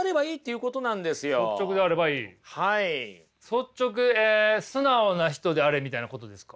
素直え「素直な人であれ」みたいなことですか？